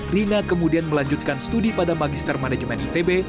rina kemudian melanjutkan studi pada magister manajemen itb